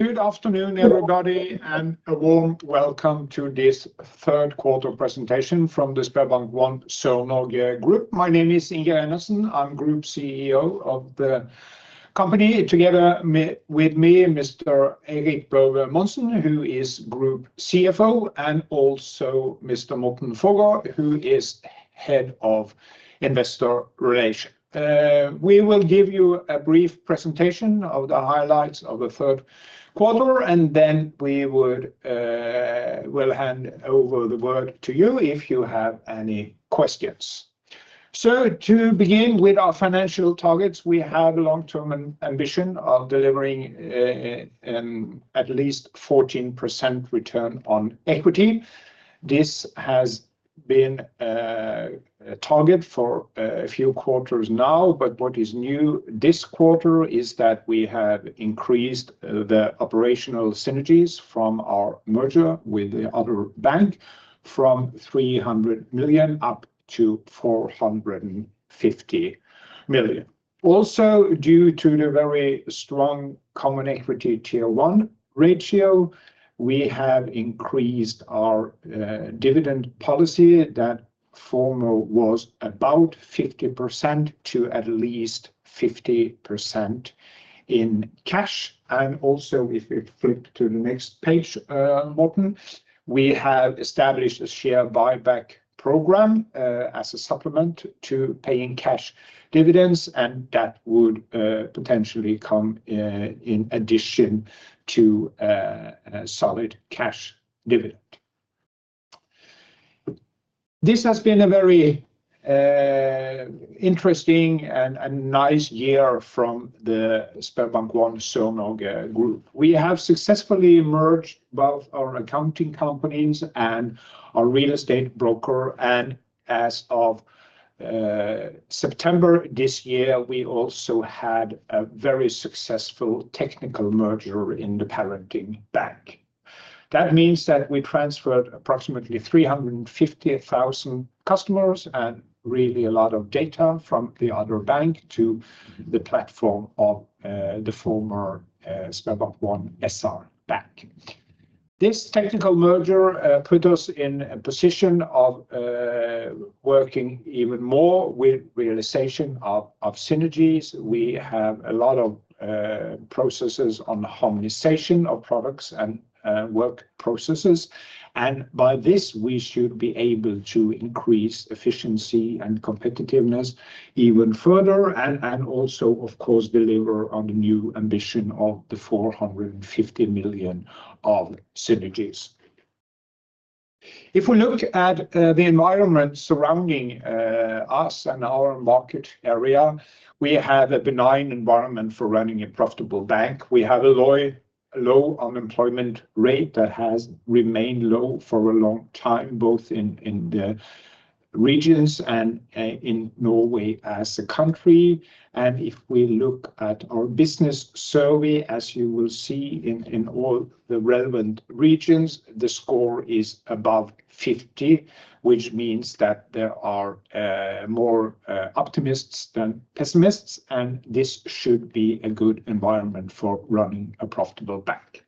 Good afternoon, everybody, and a warm welcome to this third quarter presentation from the SpareBank 1 Sør-Norge. My name is Inge Reinert Andersen. I'm Group CEO of the company. Together with me, Mr. Roar Haug, who is Group CFO, and also Mr. Morten Forgaard, who is Head of Investor Relations. We will give you a brief presentation of the highlights of the third quarter, and then we will hand over the word to you if you have any questions. To begin with our financial targets, we have a long-term ambition of delivering at least 14% return on equity. This has been a target for a few quarters now, but what is new this quarter is that we have increased the operational synergies from our merger with the other bank from 300 million up to 450 million. Also, due to the very strong common equity tier one ratio, we have increased our dividend policy that formerly was about 50% to at least 50% in cash. Also, if you flip to the next page, Morten, we have established a share buyback program as a supplement to paying cash dividends, and that would potentially come in addition to solid cash dividend. This has been a very interesting and nice year from the SpareBank 1 Sør-Norge. We have successfully merged both our accounting companies and our real estate broker, and as of September this year, we also had a very successful technical merger in the parent bank. That means that we transferred approximately 350,000 customers and really a lot of data from the other bank to the platform of the former SpareBank 1 SR-Bank. This technical merger put us in a position of working even more with realization of synergies. We have a lot of processes on harmonization of products and work processes, and by this, we should be able to increase efficiency and competitiveness even further, and also, of course, deliver on the new ambition of the 450 million of synergies. If we look at the environment surrounding us and our market area, we have a benign environment for running a profitable bank. We have a low unemployment rate that has remained low for a long time, both in the regions and in Norway as a country. If we look at our business survey, as you will see in all the relevant regions, the score is above 50, which means that there are more optimists than pessimists, and this should be a good environment for running a profitable bank.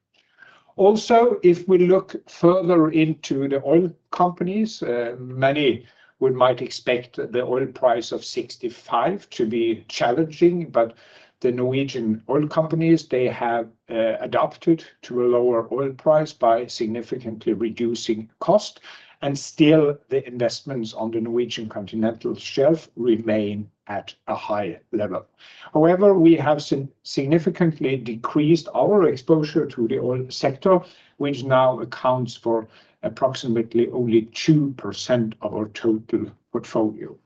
Also, if we look further into the oil companies, many might expect the oil price of $65 to be challenging, but the Norwegian oil companies, they have adapted to a lower oil price by significantly reducing cost, and still the investments on the Norwegian continental shelf remain at a high level. However, we have significantly decreased our exposure to the oil sector, which now accounts for approximately only 2% of our total portfolio.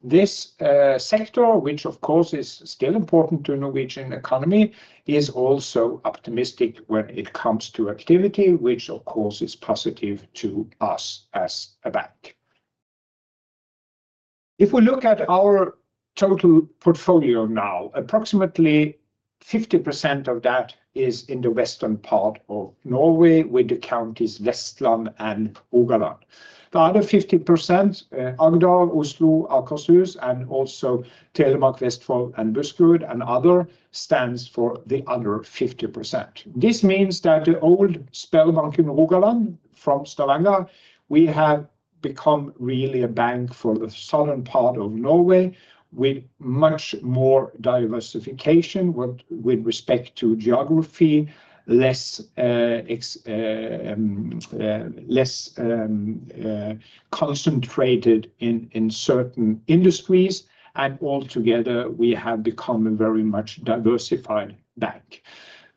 This sector, which of course is still important to the Norwegian economy, is also optimistic when it comes to activity, which of course is positive to us as a bank. If we look at our total portfolio now, approximately 50% of that is in the western part of Norway with the counties Vestland and Rogaland. The other 50%, Agder, Oslo, Akershus, and also Telemark, Vestfold, and Buskerud, and other stands for the other 50%. This means that the old SpareBank in Rogaland from Stavanger, we have become really a bank for the southern part of Norway with much more diversification with respect to geography, less concentrated in certain industries, and altogether we have become a very much diversified bank.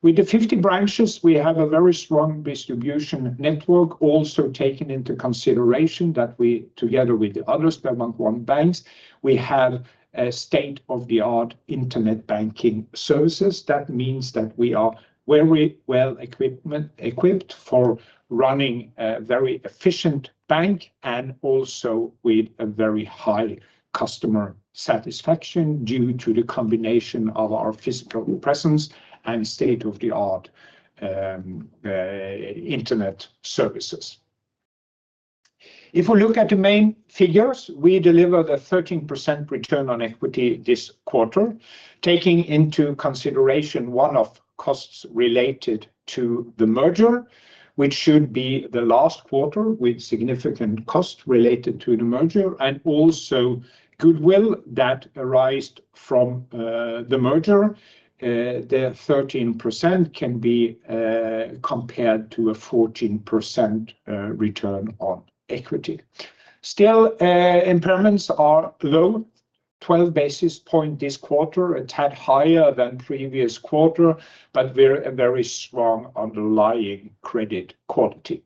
With the 50 branches, we have a very strong distribution network, also taken into consideration that we, together with the other SpareBank 1 banks, we have state-of-the-art internet banking services. That means that we are very well equipped for running a very efficient bank and also with a very high customer satisfaction due to the combination of our physical presence and state-of-the-art internet services. If we look at the main figures, we deliver the 13% return on equity this quarter, taking into consideration one-off costs related to the merger, which should be the last quarter with significant costs related to the merger, and also goodwill that arose from the merger. The 13% can be compared to a 14% return on equity. Still, impairments are low, 12 basis points this quarter, a tad higher than previous quarter, but very strong underlying credit quality.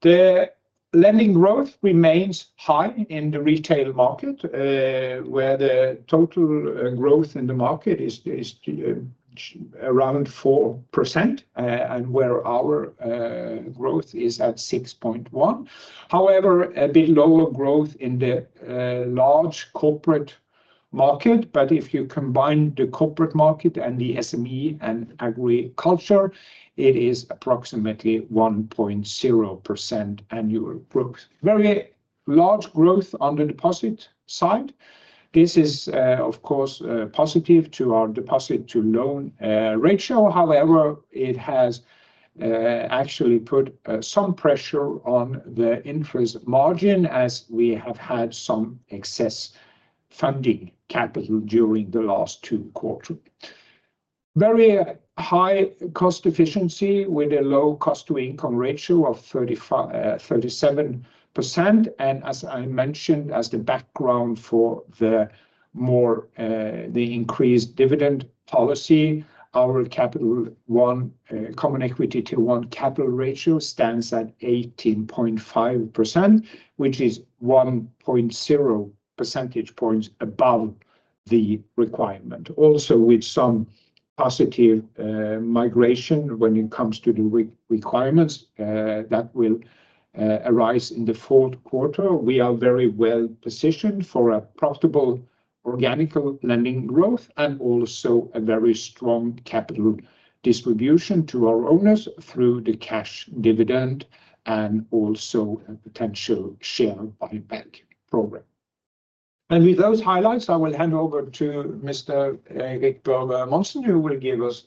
The lending growth remains high in the retail market, where the total growth in the market is around 4%, and where our growth is at 6.1%. However, a bit lower growth in the large corporate market, but if you combine the corporate market and the SME and agriculture, it is approximately 1.0% annual growth. Very large growth on the deposit side. This is, of course, positive to our deposit-to-loan ratio. However, it has actually put some pressure on the interest margin as we have had some excess funding capital during the last two quarters. Very high cost efficiency with a low cost-to-income ratio of 37%, and as I mentioned, as the background for the more the increased dividend policy, our Common Equity Tier 1 capital ratio stands at 18.5%, which is 1.0 percentage points above the requirement. Also, with some positive migration when it comes to the requirements that will arise in the fourth quarter, we are very well positioned for a profitable organic lending growth and also a very strong capital distribution to our owners through the cash dividend and also a potential share buyback program. And with those highlights, I will hand over to Mr. Roar Haug, who will give us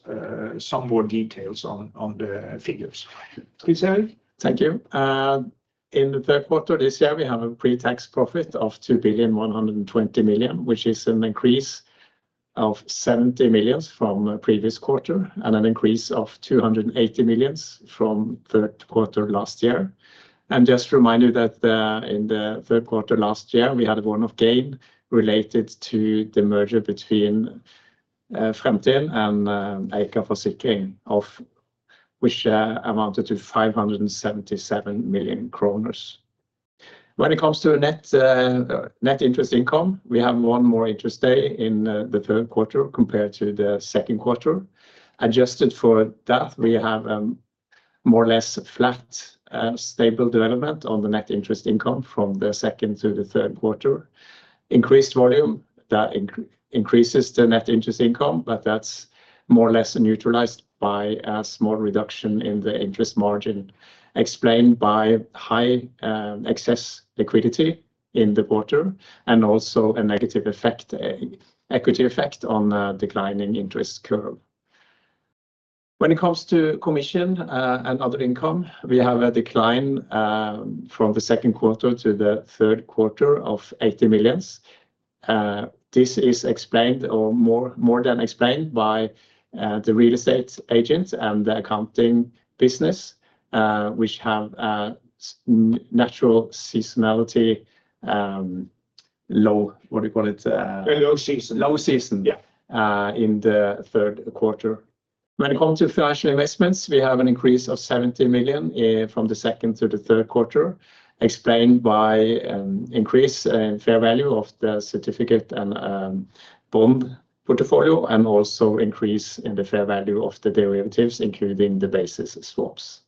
some more details on the figures. Thank you. In the third quarter this year, we have a pre-tax profit of 2,120 million, which is an increase of 70 million from previous quarter and an increase of 280 million from third quarter last year. Just to remind you that in the third quarter last year, we had a bargain gain related to the merger between Fremtind Forsikring and Eika Forsikring, which amounted to 577 million kroner. When it comes to net interest income, we have one more interest day in the third quarter compared to the second quarter. Adjusted for that, we have more or less flat stable development on the net interest income from the second to the third quarter. Increased volume that increases the net interest income, but that's more or less neutralized by a small reduction in the interest margin explained by high excess liquidity in the quarter and also a negative equity effect on the declining interest curve. When it comes to commission and other income, we have a decline from the second quarter to the third quarter of 80 million. This is explained or more than explained by the real estate agent and the accounting business, which have natural seasonality low, what do you call it? Low season. Low season. Yeah. In the third quarter. When it comes to financial investments, we have an increase of 70 million from the second to the third quarter explained by an increase in fair value of the certificate and bond portfolio and also increase in the fair value of the derivatives, including the basis swaps.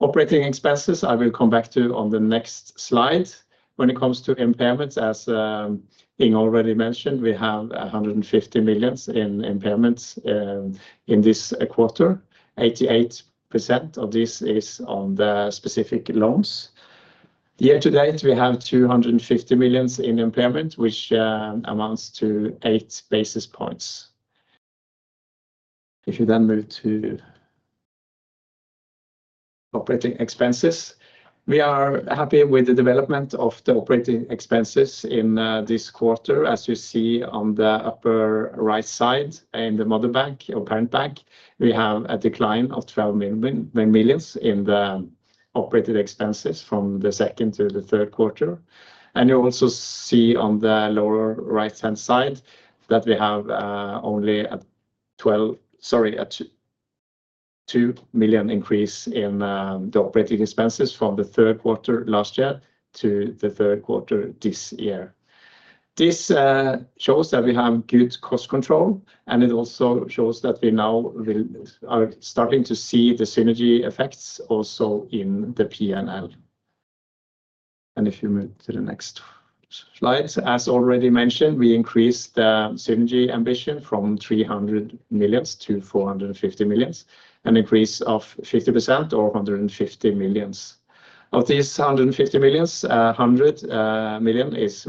Operating expenses, I will come back to on the next slide. When it comes to impairments, as Inge already mentioned, we have 150 millions in impairments in this quarter. 88% of this is on the specific loans. Year to date, we have 250 millions in impairment, which amounts to eight basis points. If you then move to operating expenses, we are happy with the development of the operating expenses in this quarter. As you see on the upper right side in the mother bank or parent bank, we have a decline of 12 million in the operating expenses from the second to the third quarter. You also see on the lower right-hand side that we have only a 12, sorry, a 2 million increase in the operating expenses from the third quarter last year to the third quarter this year. This shows that we have good cost control, and it also shows that we now are starting to see the synergy effects also in the P&L. If you move to the next slide, as already mentioned, we increased the synergy ambition from 300 million to 450 million and increased of 50% or 150 million. Of these 150 million, 100 million is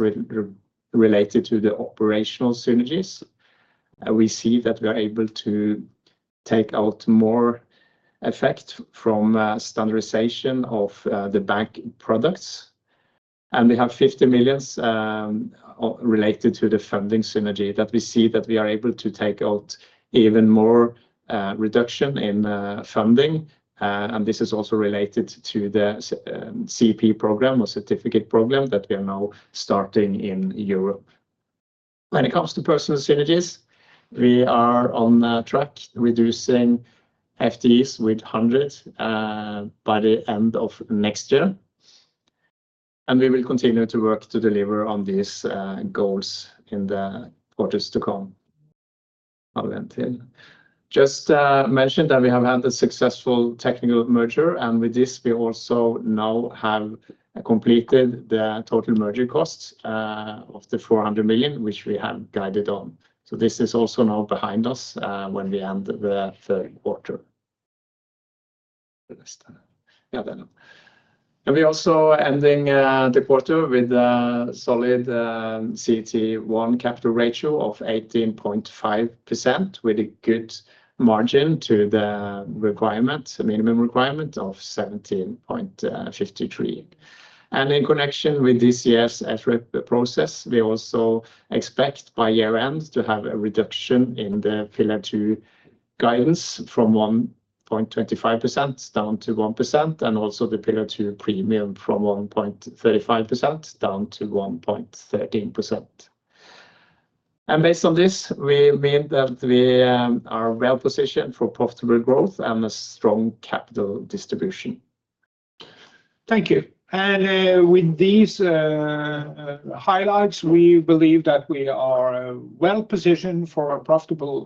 related to the operational synergies. We see that we are able to take out more effect from standardization of the bank products. We have 50 million related to the funding synergy that we see that we are able to take out even more reduction in funding. This is also related to the CP program or commercial paper program that we are now starting in Europe. When it comes to personnel synergies, we are on track reducing FTEs with 100 by the end of next year. We will continue to work to deliver on these goals in the quarters to come. We just mentioned that we have had a successful technical merger, and with this, we also now have completed the total merger cost of 400 million, which we have guided on. This is also now behind us when we end the third quarter. We are also ending the quarter with a solid CET1 capital ratio of 18.5% with a good margin to the requirement, a minimum requirement of 17.53%. In connection with this year's SREP process, we also expect by year-end to have a reduction in the Pillar 2 guidance from 1.25% down to 1%, and also the Pillar 2 requirement from 1.35% down to 1.13%. Based on this, we mean that we are well positioned for profitable growth and a strong capital distribution. Thank you. With these highlights, we believe that we are well positioned for profitable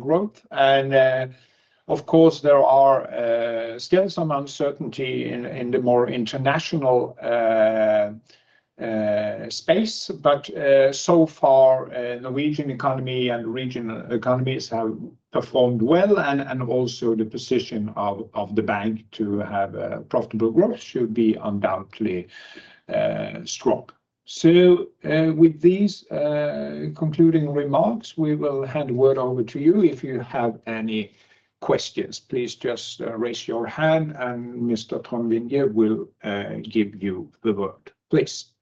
growth. There are still some uncertainty in the more international space, but so far, the Norwegian economy and the regional economies have performed well, and also the position of the bank to have profitable growth should be undoubtedly strong. With these concluding remarks, we will hand the word over to you. If you have any questions, please just raise your hand, and Mr. Thornvinje will give you the word. Please.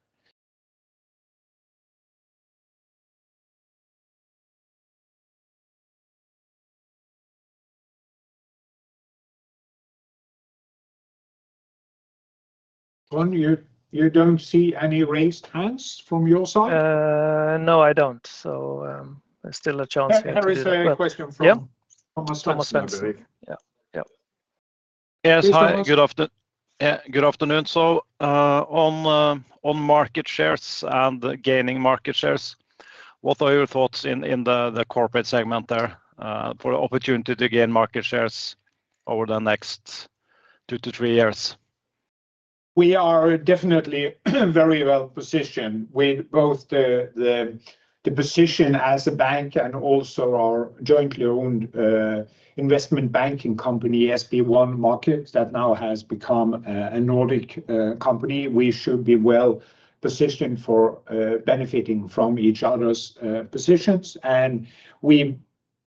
Thorn, you don't see any raised hands from your side? No, I don't. There's still a chance here. There is a question from Thomas Benz. Yes. Hi. Good afternoon. So on market shares and gaining market shares, what are your thoughts in the corporate segment there for the opportunity to gain market shares over the next two to three years? We are definitely very well positioned with both the position as a bank and also our jointly owned investment banking company, SB One Market, that now has become a Nordic company. We should be well positioned for benefiting from each other's positions. And we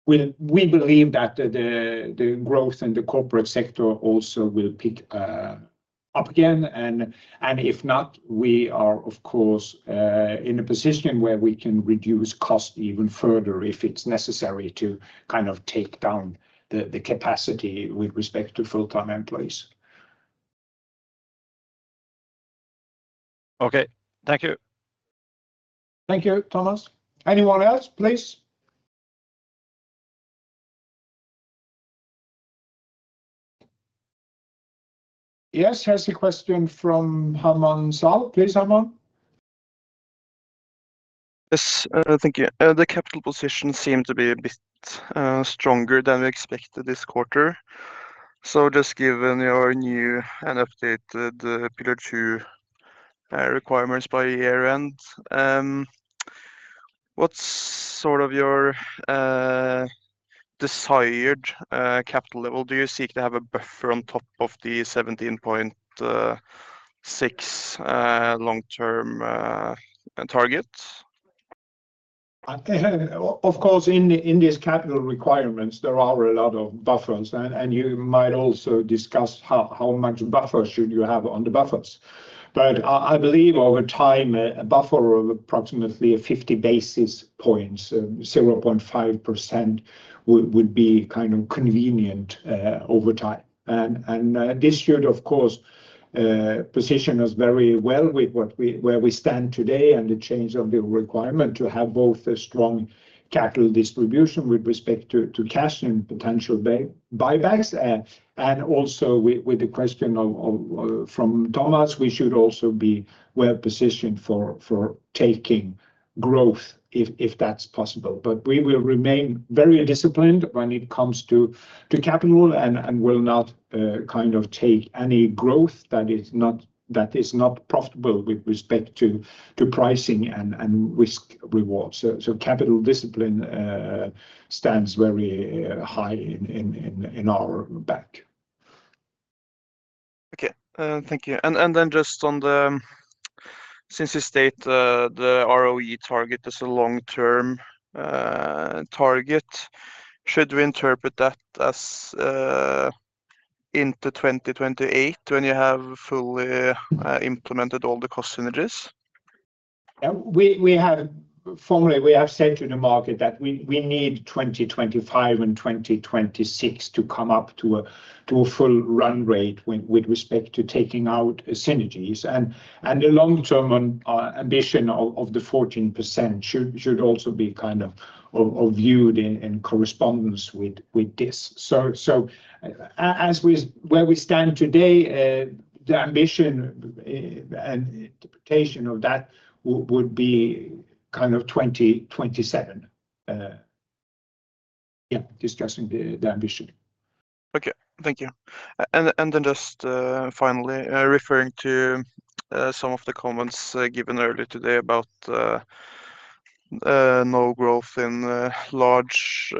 believe that the growth in the corporate sector also will pick up again. And if not, we are, of course, in a position where we can reduce costs even further if it's necessary to take down the capacity with respect to full-time employees. Okay. Thank you. Thank you, Thomas. Anyone else? Please. Yes, here's a question from Hamman Saul. Please, Hamman. Yes. Thank you. The capital position seemed to be a bit stronger than we expected this quarter. Just given your new and updated Pillar 2 requirements by year-end, what's sort of your desired capital level? Do you seek to have a buffer on top of the 17.6 long-term target? In these capital requirements, there are a lot of buffers, and you might also discuss how much buffer should you have on the buffers. But I believe over time, a buffer of approximately 50 basis points, 0.5%, would be convenient over time. And this should, of course, position us very well with where we stand today and the change of the requirement to have both a strong capital distribution with respect to cash and potential buybacks. And also with the question from Thomas, we should also be well positioned for taking growth if that's possible. But we will remain very disciplined when it comes to capital and will not take any growth that is not profitable with respect to pricing and risk rewards. Capital discipline stands very high in our bank. Okay. Thank you. Just on the, since you state the ROE target is a long-term target, should we interpret that as into 2028 when you have fully implemented all the cost synergies? Formally, we have said to the market that we need 2025 and 2026 to come up to a full run rate with respect to taking out synergies. And the long-term ambition of the 14% should also be viewed in correspondence with this. So where we stand today, the ambition and interpretation of that would be 2027. Yeah, discussing the ambition. Okay. Thank you. And then just finally, referring to some of the comments given earlier today about no growth in large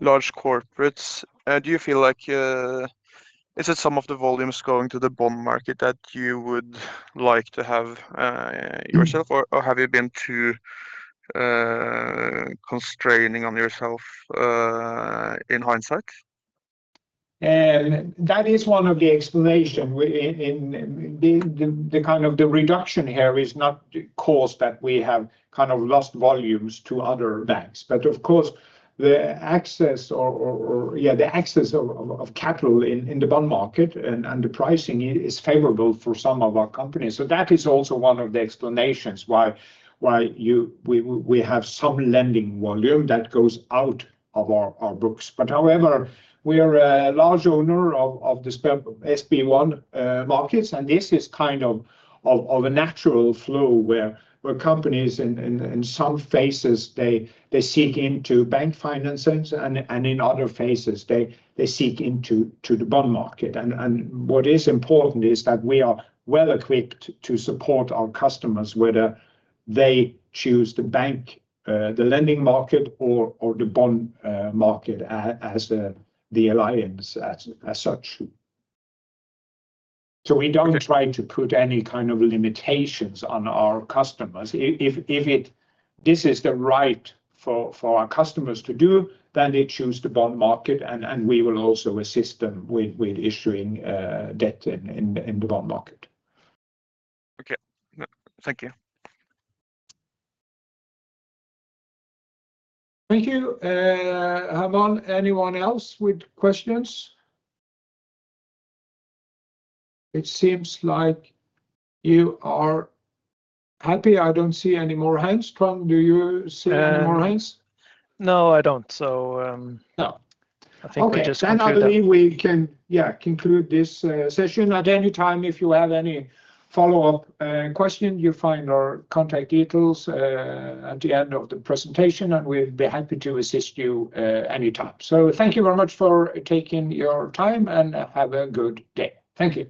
corporates, do you feel like is it some of the volumes going to the bond market that you would like to have yourself, or have you been too constraining on yourself in hindsight? That is one of the explanations. The reduction here is not caused that we have lost volumes to other banks. But of course, the access of capital in the bond market and the pricing is favorable for some of our companies. That is also one of the explanations why we have some lending volume that goes out of our books. However, we are a large owner of the SB1 Markets, and this is a natural flow where companies in some phases, they seek into bank financing, and in other phases, they seek into the bond market. And what is important is that we are well equipped to support our customers, whether they choose the bank, the lending market, or the bond market as the alliance as such. We don't try to put any limitations on our customers. If this is the right for our customers to do, then they choose the bond market, and we will also assist them with issuing debt in the bond market. Okay. Thank you. Thank you. Hamman, anyone else with questions? It seems like you are happy. I don't see any more hands. Thorn, do you see any more hands? No, I don't. We just conclude. Okay. Thank you. I believe we can, yeah, conclude this session. At any time, if you have any follow-up question, you find our contact details at the end of the presentation, and we'll be happy to assist you anytime. Thank you very much for taking your time, and have a good day. Thank you.